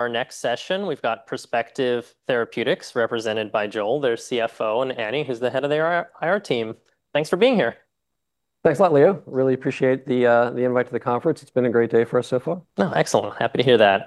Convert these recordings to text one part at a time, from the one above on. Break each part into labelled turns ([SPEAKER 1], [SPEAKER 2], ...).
[SPEAKER 1] Our next session, we've got Perspective Therapeutics represented by Joel, their CFO, and Annie, who's the head of their IR team. Thanks for being here.
[SPEAKER 2] Thanks a lot, Leo. Really appreciate the invite to the conference. It's been a great day for us so far.
[SPEAKER 1] Oh, excellent. Happy to hear that.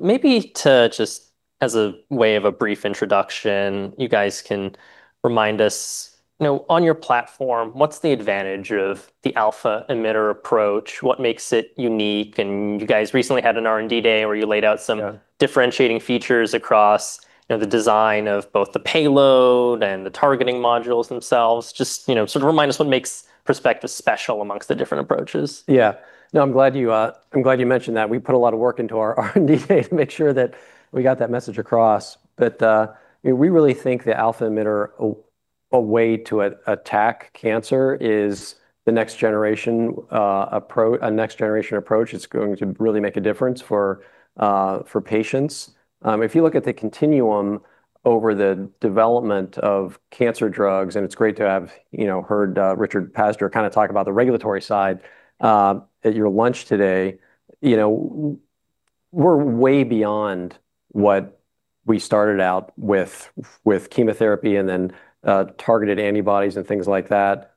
[SPEAKER 1] maybe to just as a way of a brief introduction, you guys can remind us, you know, on your platform, what's the advantage of the alpha emitter approach? What makes it unique, you guys recently had an R&D Day related somehow differentiating features across, you know, the design of both the payload and the targeting modules themselves, just, you know, sort of remind us what makes Perspective special amongst the different approaches.
[SPEAKER 2] Yeah. No, I'm glad you, I'm glad you mentioned that. We put a lot of work into our R&D Day to make sure that we got that message across. You know, we really think the alpha emitter a way to attack cancer is the next generation a next generation approach. It's going to really make a difference for patients. If you look at the continuum over the development of cancer drugs, it's great to have, you know, heard Richard Pazdur kind of talk about the regulatory side at your lunch today. You know, we're way beyond what we started out with chemotherapy and then targeted antibodies and things like that.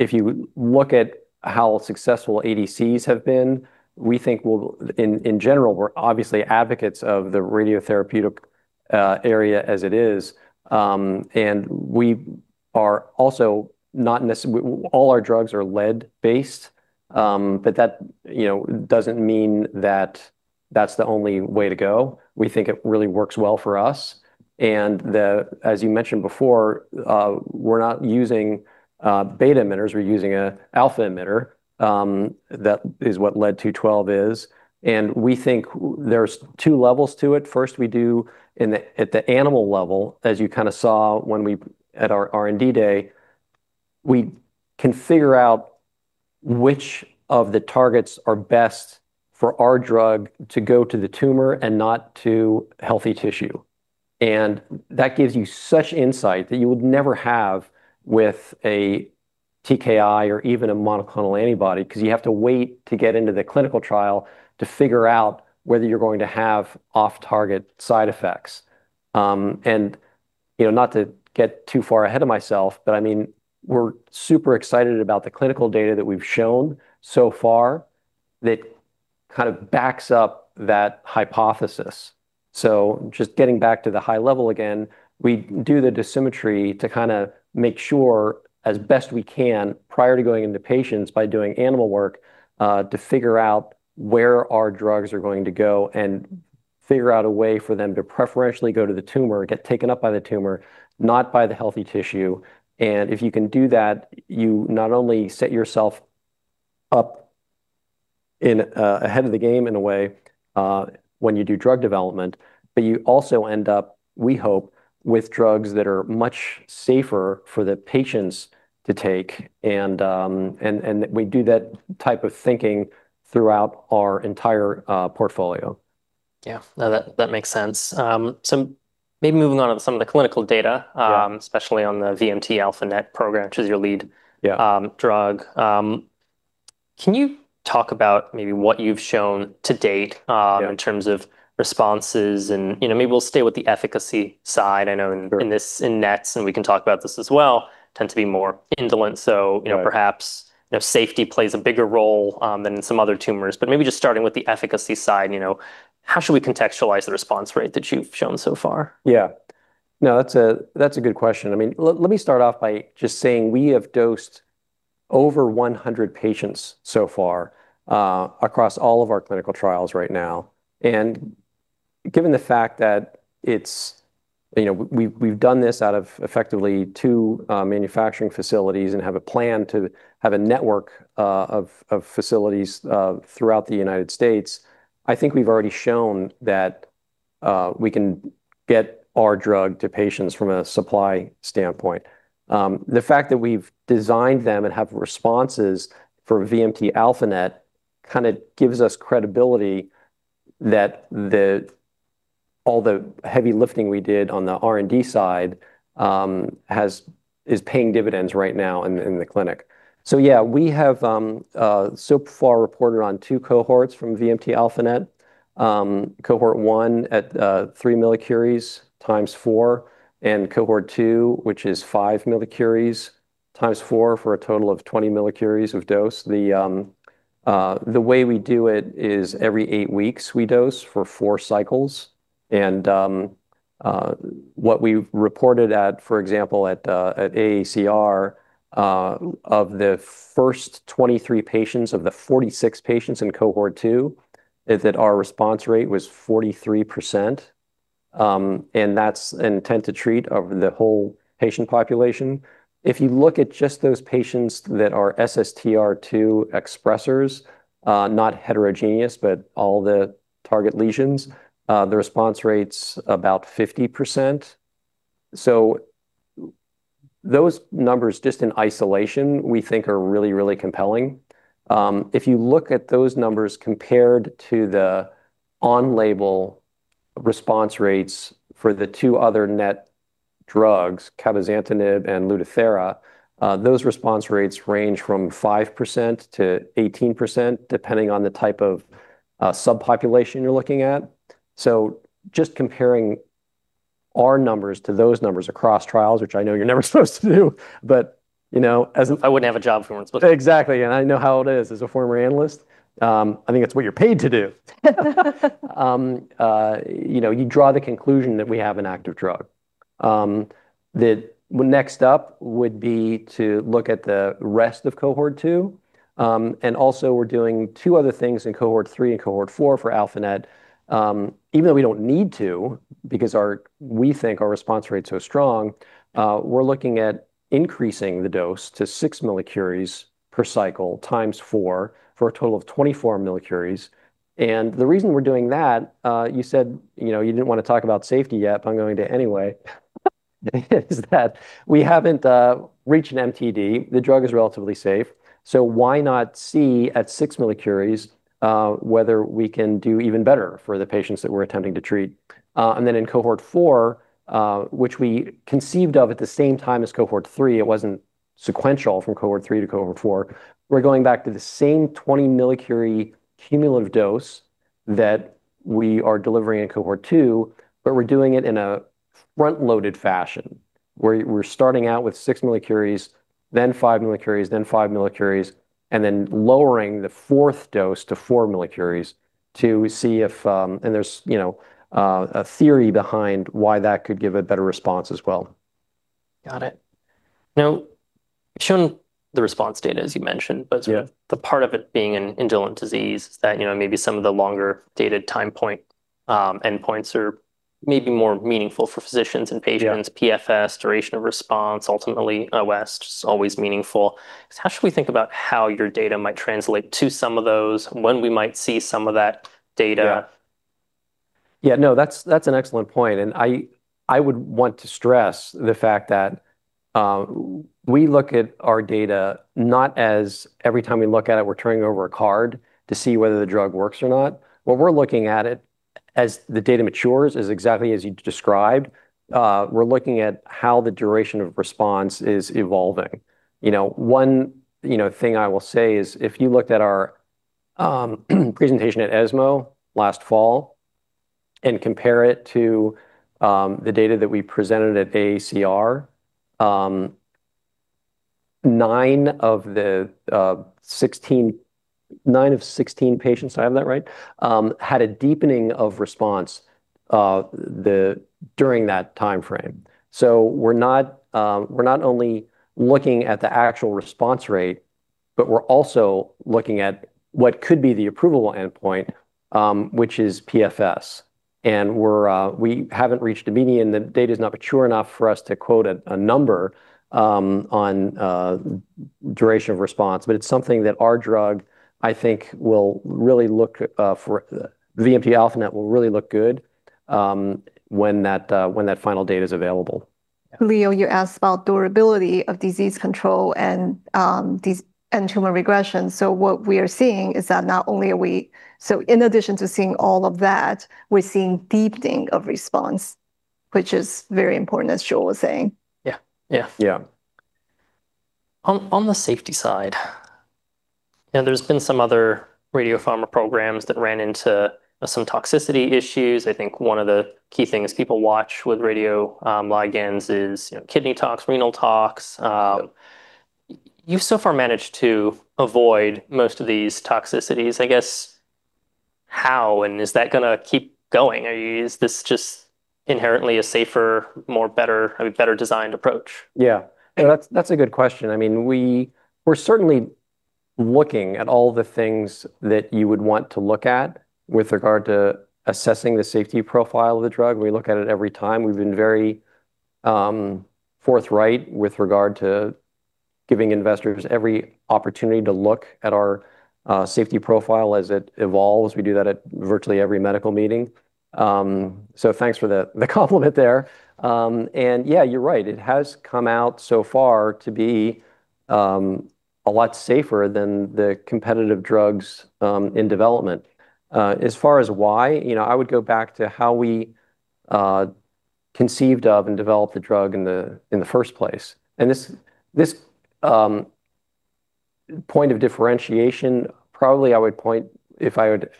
[SPEAKER 2] If you look at how successful ADCs have been, we think we'll in general we're obviously advocates of the radiotherapeutic area as it is. And we are also not all our drugs are lead based, but that, you know, doesn't mean that that's the only way to go. We think it really works well for us. As you mentioned before, we're not using beta emitters, we're using a alpha emitter. That is what Lead-212 is, and we think there's two levels to it. First, we do in the, at the animal level, as you kind of saw when we at our R&D Day, we can figure out which of the targets are best for our drug to go to the tumor and not to healthy tissue. That gives you such insight that you would never have with a TKI or even a monoclonal antibody, because you have to wait to get into the clinical trial to figure out whether you're going to have off-target side effects. You know, not to get too far ahead of myself, but I mean, we're super excited about the clinical data that we've shown so far that kind of backs up that hypothesis. Just getting back to the high level again, we do the dosimetry to kind of make sure as best we can prior to going into patients by doing animal work, to figure out where our drugs are going to go, and figure out a way for them to preferentially go to the tumor or get taken up by the tumor, not by the healthy tissue. If you can do that, you not only set yourself up in ahead of the game in a way, when you do drug development, but you also end up, we hope, with drugs that are much safer for the patients to take. We do that type of thinking throughout our entire portfolio.
[SPEAKER 1] Yeah. No, that makes sense. maybe moving on to some of the clinical data especially on the VMT-α-NET program, which is your lead drug. Can you talk about maybe what you've shown to date?
[SPEAKER 2] Yeah.
[SPEAKER 1] In terms of responses and, you know, maybe we'll stay with the efficacy side. In this, in NETs, and we can talk about this as well, tend to be more indolent, so you know.
[SPEAKER 2] Right.
[SPEAKER 1] Perhaps, you know, safety plays a bigger role than some other tumors. Maybe just starting with the efficacy side, you know, how should we contextualize the response rate that you've shown so far?
[SPEAKER 2] No, that's a good question. I mean, let me start off by just saying we have dosed over 100 patients so far across all of our clinical trials right now. Given the fact that it's you know, we've done this out of effectively two manufacturing facilities and have a plan to have a network of facilities throughout the U.S. I think we've already shown that we can get our drug to patients from a supply standpoint. The fact that we've designed them and have responses for VMT-α-NET kind of gives us credibility that all the heavy lifting we did on the R&D side is paying dividends right now in the clinic. Yeah, we have so far reported on two cohorts from VMT-α-NET. Cohort one at three millicuries times four, and cohort two, which is five millicuries times four for a total of 20 millicuries of dose. The way we do it is every eight weeks we dose for four cycles. What we've reported at, for example, at AACR, of the first 23 patients of the 46 patients in cohort two is that our response rate was 43%. That's intent to treat over the whole patient population. If you look at just those patients that are SSTR2 expressers, not heterogeneous, but all the target lesions, the response rate's about 50%. Those numbers just in isolation we think are really, really compelling. If you look at those numbers compared to the on-label response rates for the two other NET Drugs, cabozantinib and LUTATHERA, those response rates range from 5%-18%, depending on the type of subpopulation you're looking at. Just comparing our numbers to those numbers across trials, which I know you're never supposed to do, you know.
[SPEAKER 1] I wouldn't have a job if we weren't supposed to.
[SPEAKER 2] Exactly, I know how it is. As a former analyst, I think it's what you're paid to do. You know, you draw the conclusion that we have an active drug. The next up would be to look at the rest of cohort two. Also we're doing two other things in cohort three and cohort four for ALPHANET. Even though we don't need to because our, we think our response rate's so strong, we're looking at increasing the dose to 6 millicuries per cycle times four for a total of 24 millicuries. The reason we're doing that, you said, you know, you didn't wanna talk about safety yet, but I'm going to anyway, is that we haven't reached an MTD. The drug is relatively safe, why not see at six millicuries whether we can do even better for the patients that we're attempting to treat. In cohort four, which we conceived of at the same time as cohort three, it wasn't sequential from cohort three to cohort four. We're going back to the same 20 millicurie cumulative dose that we are delivering in cohort two, but we're doing it in a front-loaded fashion, where we're starting out with six millicuries, then five millicuries, then five millicuries, and then lowering the fourth dose to four millicuries to see if, you know, a theory behind why that could give a better response as well.
[SPEAKER 1] Got it. Shown the response data, as you mentioned. Sort of the part of it being an indolent disease is that, you know, maybe some of the longer data time point, endpoints are maybe more meaningful for physicians and patients PFS, duration of response, ultimately OS is always meaningful. How should we think about how your data might translate to some of those, when we might see some of that data?
[SPEAKER 2] Yeah. Yeah, no, that's an excellent point, and I would want to stress the fact that we look at our data not as every time we look at it, we're turning over a card to see whether the drug works or not. What we're looking at it, as the data matures, is exactly as you described. We're looking at how the duration of response is evolving. You know, one, you know, thing I will say is if you looked at our presentation at ESMO last fall and compare it to the data that we presented at AACR, nine of the 16, nine of 16 patients, if I have that right, had a deepening of response during that timeframe. We're not only looking at the actual response rate, but we're also looking at what could be the approvable endpoint, which is PFS. We haven't reached a median. The data's not mature enough for us to quote a number on duration of response, but it's something that our drug, I think, will really look for, VMT-α-NET will really look good when that final data is available.
[SPEAKER 3] Leo, you asked about durability of disease control and tumor regression. In addition to seeing all of that, we're seeing deepening of response, which is very important, as Joel was saying.
[SPEAKER 1] Yeah, yeah.
[SPEAKER 2] Yeah.
[SPEAKER 1] On the safety side, you know, there's been some other radiopharma programs that ran into, you know, some toxicity issues. I think one of the key things people watch with radioligands is, you know, kidney tox, renal tox. You've so far managed to avoid most of these toxicities. I guess, how and is that going to keep going? Is this just inherently a safer, more better, I mean, better designed approach?
[SPEAKER 2] That's a good question. I mean, we're certainly looking at all the things that you would want to look at with regard to assessing the safety profile of the drug. We look at it every time. We've been very forthright with regard to giving investors every opportunity to look at our safety profile as it evolves. We do that at virtually every medical meeting. Thanks for the compliment there. Yeah, you're right. It has come out so far to be a lot safer than the competitive drugs in development. As far as why, you know, I would go back to how we conceived of and developed the drug in the first place. This point of differentiation, probably I would point, if I would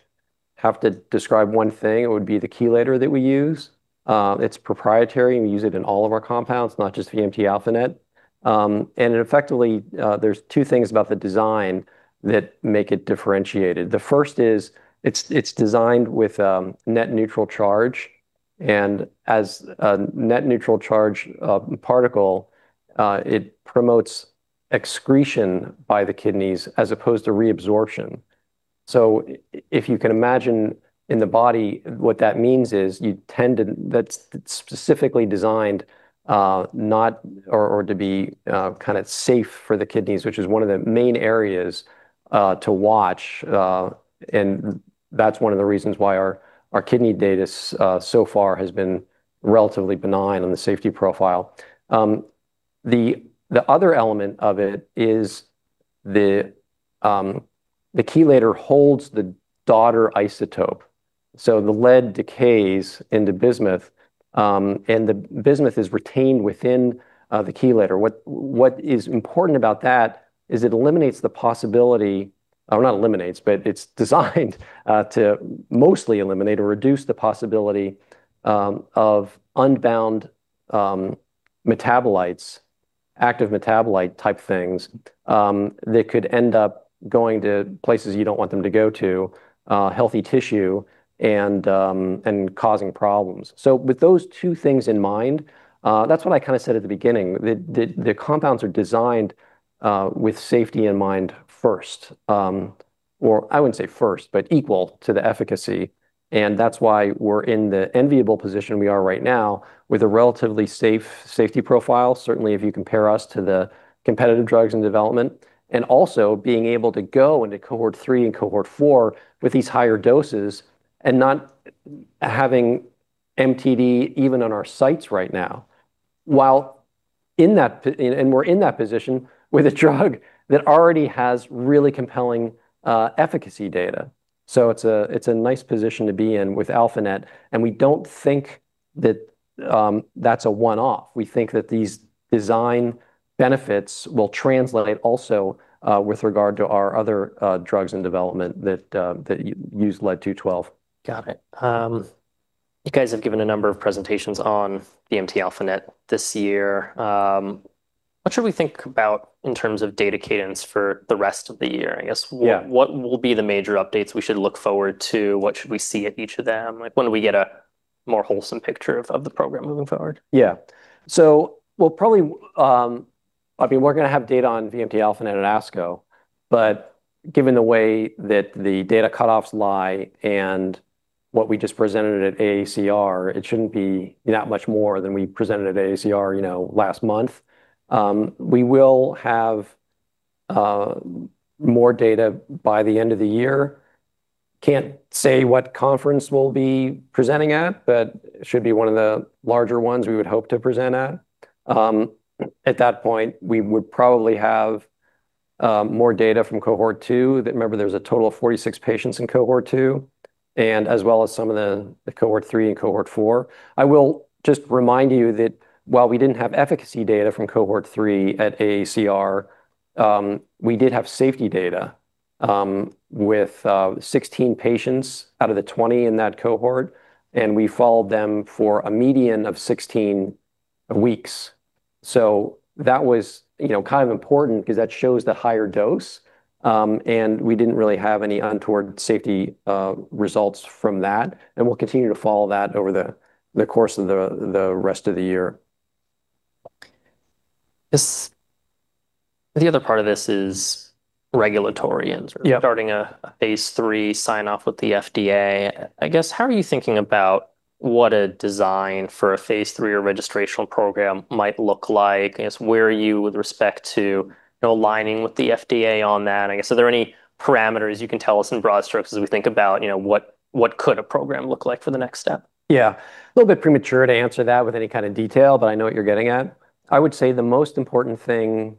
[SPEAKER 2] have to describe one thing, it would be the chelator that we use. It's proprietary and we use it in all of our compounds, not just VMT-α-NET. Effectively, there's two things about the design that make it differentiated. The first is it's designed with a net neutral charge, and as a net neutral charge particle, it promotes excretion by the kidneys as opposed to reabsorption. If you can imagine in the body, what that means is that's specifically designed to be kind of safe for the kidneys, which is one of the main areas to watch. That's 1 of the reasons why our kidney data so far has been relatively benign on the safety profile. The other element of it is the chelator holds the daughter isotope, so the lead decays into bismuth, and the bismuth is retained within the chelator. What is important about that is it eliminates the possibility or not eliminates, but it's designed to mostly eliminate or reduce the possibility of unbound metabolites, active metabolite-type things that could end up going to places you don't want them to go to, healthy tissue and causing problems. With those two things in mind, that's what I kinda said at the beginning. The compounds are designed with safety in mind first. Or I wouldn't say first, but equal to the efficacy, and that's why we're in the enviable position we are right now with a relatively safe safety profile, certainly if you compare us to the competitive drugs in development. Also being able to go into cohort three and cohort four with these higher doses and not having MTD even on our sites right now. While we're in that position with a drug that already has really compelling efficacy data. It's a nice position to be in with VMT-α-NET, and we don't think that that's a one-off. We think that these design benefits will translate also with regard to our other drugs in development that use Lead-212.
[SPEAKER 1] Got it. You guys have given a number of presentations on VMT-α-NET this year. What should we think about in terms of data cadence for the rest of the year, I guess?
[SPEAKER 2] Yeah.
[SPEAKER 1] What will be the major updates we should look forward to? What should we see at each of them? Like, when do we get a more wholesome picture of the program moving forward?
[SPEAKER 2] Yeah. We'll probably, I mean, we're gonna have data on VMT-α-NET at ASCO, but given the way that the data cutoffs lie and what we just presented at AACR, it shouldn't be that much more than we presented at AACR, you know, last month. We will have more data by the end of the year. Can't say what conference we'll be presenting at, but it should be one of the larger ones we would hope to present at. At that point we would probably have more data from cohort two. That, remember, there was a total of 46 patients in cohort two, and as well as some of the cohort three and cohort four. I will just remind you that while we didn't have efficacy data from cohort three at AACR, we did have safety data with 16 patients out of the 20 in that cohort, and we followed them for a median of 16 weeks. That was, you know, kind of important 'cause that shows the higher dose, and we didn't really have any untoward safety results from that, and we'll continue to follow that over the course of the rest of the year.
[SPEAKER 1] The other part of this is regulatory.
[SPEAKER 2] Yeah
[SPEAKER 1] Starting a phase III sign-off with the FDA. I guess how are you thinking about what a design for a phase III or registrational program might look like? I guess where are you with respect to, you know, aligning with the FDA on that? I guess are there any parameters you can tell us in broad strokes as we think about, you know, what could a program look like for the next step?
[SPEAKER 2] Yeah. Little bit premature to answer that with any kind of detail, but I know what you're getting at. I would say the most important thing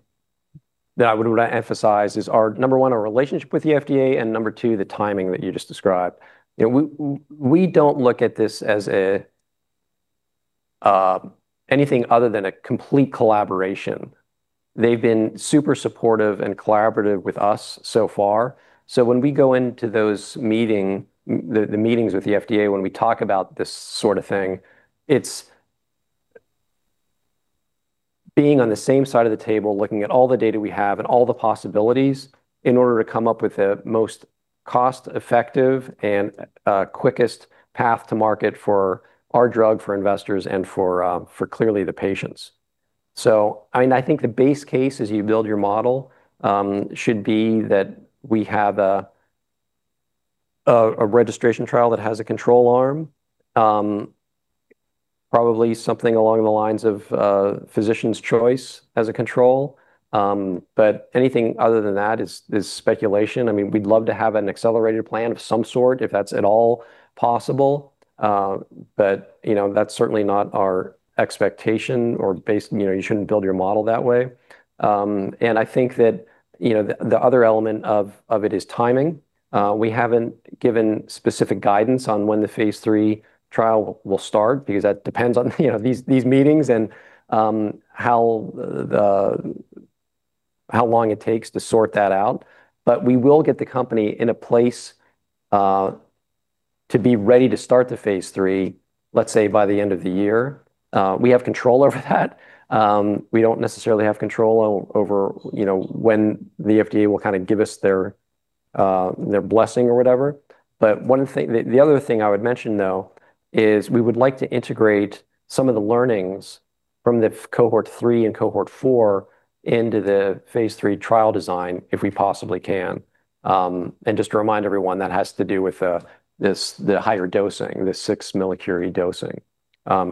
[SPEAKER 2] that I would emphasize is our, number one, our relationship with the FDA, and number two, the timing that you just described. You know, we don't look at this as anything other than a complete collaboration. They've been super supportive and collaborative with us so far. When we go into those meetings with the FDA, when we talk about this sort of thing, it's being on the same side of the table looking at all the data we have and all the possibilities in order to come up with the most cost-effective and quickest path to market for our drug for investors and for clearly the patients. I mean, I think the base case as you build your model should be that we have a registration trial that has a control arm. Probably something along the lines of physician's choice as a control. Anything other than that is speculation. I mean, we'd love to have an accelerated plan of some sort if that's at all possible. You know, that's certainly not our expectation or base. You know, you shouldn't build your model that way. I think that, you know, the other element of it is timing. We haven't given specific guidance on when the phase III trial will start because that depends on, you know, these meetings and how long it takes to sort that out. We will get the company in a place to be ready to start the phase III, let's say, by the end of the year. We have control over that. We don't necessarily have control over, you know, when the FDA will kinda give us their blessing or whatever. The other thing I would mention, though, is we would like to integrate some of the learnings from the cohort three and cohort four into the phase III trial design if we possibly can. And just to remind everyone, that has to do with this, the higher dosing, the 6 millicurie dosing,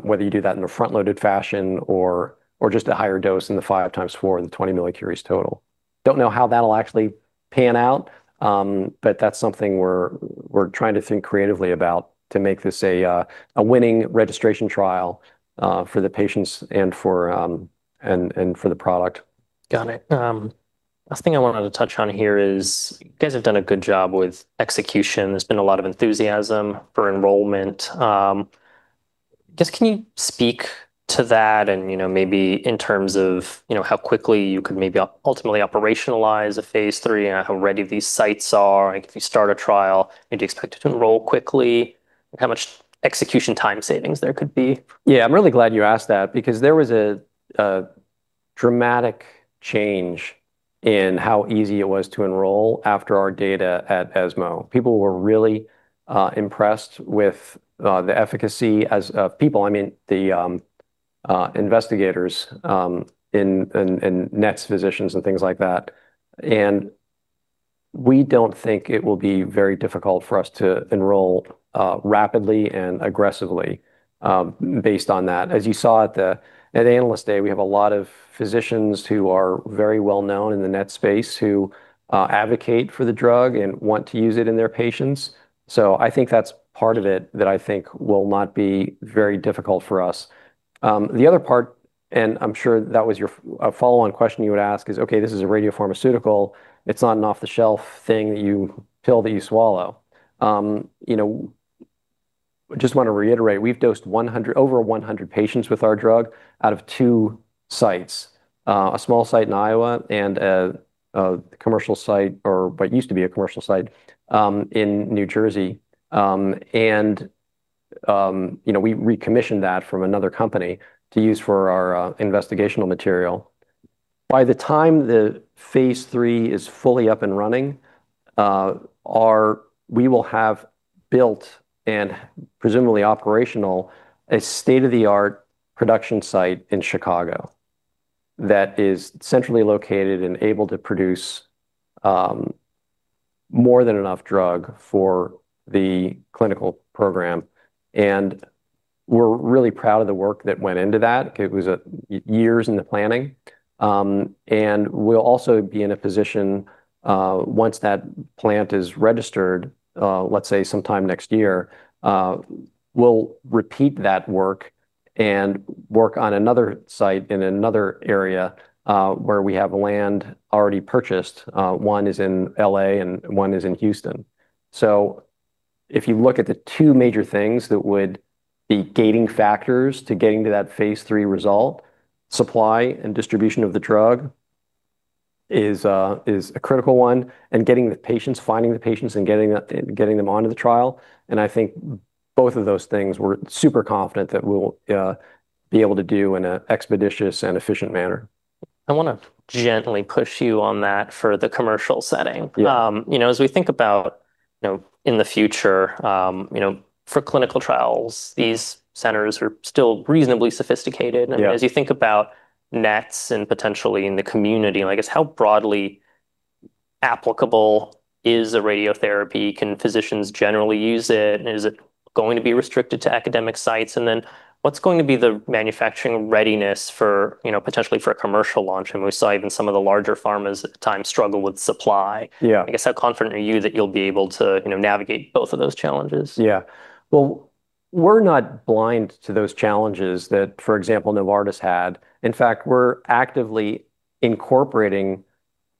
[SPEAKER 2] whether you do that in a front-loaded fashion or just a higher dose in the 5x4 in the 20 millicuries total. Don't know how that'll actually pan out, but that's something we're trying to think creatively about to make this a winning registration trial for the patients and for the product.
[SPEAKER 1] Got it. Last thing I wanted to touch on here is you guys have done a good job with execution. There's been a lot of enthusiasm for enrollment. I guess can you speak to that and, you know, maybe in terms of, you know, how quickly you could maybe ultimately operationalize a phase III and how ready these sites are, like if you start a trial, maybe expect it to enroll quickly, like how much execution time savings there could be?
[SPEAKER 2] I'm really glad you asked that because there was a dramatic change in how easy it was to enroll after our data at ESMO. People were really impressed with the efficacy as people, I mean the investigators, in NETs physicians and things like that. We don't think it will be very difficult for us to enroll rapidly and aggressively based on that. As you saw at Analyst Day, we have a lot of physicians who are very well known in the NETs space who advocate for the drug and want to use it in their patients. I think that's part of it that I think will not be very difficult for us. The other part, and I'm sure that was your a follow-on question you would ask is, okay, this is a radiopharmaceutical, it's not an off-the-shelf thing that you pill that you swallow. You know, just want to reiterate, we've dosed 100, over 100 patients with our drug out of two sites. A small site in Iowa and a commercial site or what used to be a commercial site in New Jersey. And, you know, we recommissioned that from another company to use for our investigational material. By the time the phase III is fully up and running, We will have built and presumably operational a state-of-the-art production site in Chicago that is centrally located and able to produce more than enough drug for the clinical program. We're really proud of the work that went into that. It was years in the planning. We'll also be in a position, once that plant is registered, let's say sometime next year, we'll repeat that work and work on another site in another area, where we have land already purchased. One is in L.A. and one is in Houston. If you look at the two major things that would be gating factors to getting to that phase III result, supply and distribution of the drug is a critical one, and getting the patients, finding the patients and getting them onto the trial, and I think both of those things we're super confident that we'll be able to do in a expeditious and efficient manner.
[SPEAKER 1] I want to gently push you on that for the commercial setting.
[SPEAKER 2] Yeah.
[SPEAKER 1] You know, as we think about, you know, in the future, you know, for clinical trials, these centers are still reasonably sophisticated.
[SPEAKER 2] Yeah
[SPEAKER 1] As you think about NETs and potentially in the community and I guess how broadly applicable is the radiotherapy, can physicians generally use it? Is it going to be restricted to academic sites? What's going to be the manufacturing readiness for, you know, potentially for a commercial launch? We saw even some of the larger pharmas at the time struggle with supply.
[SPEAKER 2] Yeah.
[SPEAKER 1] I guess how confident are you that you'll be able to, you know, navigate both of those challenges?
[SPEAKER 2] Yeah. Well, we're not blind to those challenges that, for example, Novartis had. In fact, we're actively incorporating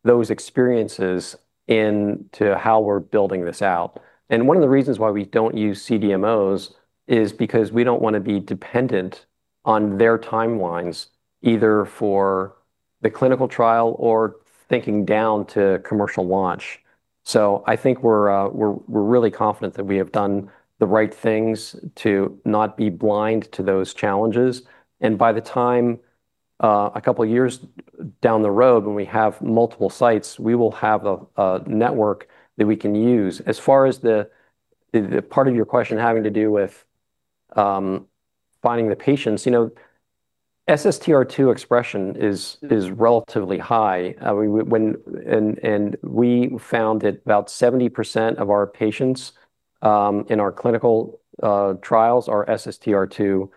[SPEAKER 2] those experiences into how we're building this out. One of the reasons why we don't use CDMOs is because we don't want to be dependent on their timelines, either for the clinical trial or thinking down to commercial launch. I think we're really confident that we have done the right things to not be blind to those challenges. By the time a couple of years down the road when we have multiple sites, we will have a network that we can use. As far as the part of your question having to do with finding the patients, you know, SSTR2 expression is relatively high. We found that about 70% of our patients in our clinical trials are SSTR2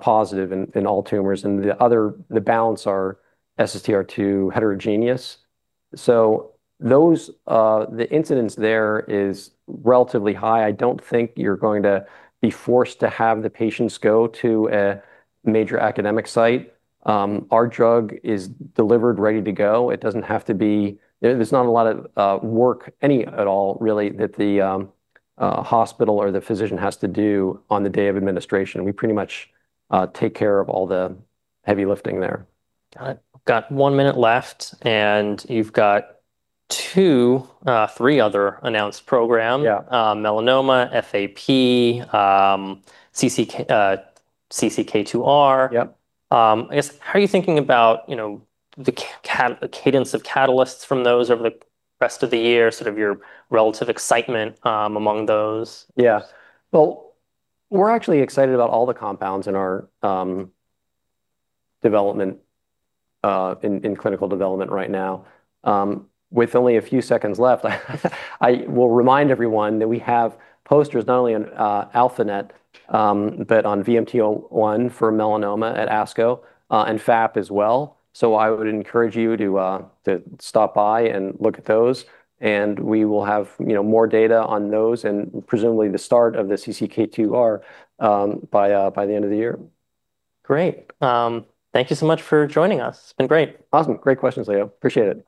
[SPEAKER 2] positive in all tumors, and the other, the balance are SSTR2 heterogeneous. Those, the incidence there is relatively high. I don't think you're going to be forced to have the patients go to a major academic site. Our drug is delivered ready to go. There's not a lot of work any at all really that the hospital or the physician has to do on the day of administration. We pretty much take care of all the heavy lifting there.
[SPEAKER 1] Got it. Got one minute left. You've got three other announced program.
[SPEAKER 2] Yeah.
[SPEAKER 1] Melanoma, FAP, CCK2R.
[SPEAKER 2] Yep.
[SPEAKER 1] I guess how are you thinking about, you know, the cadence of catalysts from those over the rest of the year, sort of your relative excitement among those?
[SPEAKER 2] Yeah. Well, we're actually excited about all the compounds in our development, in clinical development right now. With only a few seconds left, I will remind everyone that we have posters not only on VMT-α-NET, but on VMT01 for melanoma at ASCO, and FAP as well. I would encourage you to stop by and look at those, and we will have, you know, more data on those and presumably the start of the CCK2R by the end of the year.
[SPEAKER 1] Great. Thank you so much for joining us. It's been great.
[SPEAKER 2] Awesome. Great questions, Leo. Appreciate it.